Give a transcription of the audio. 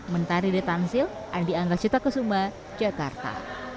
mentari detansil andi angga cita kesumba jakarta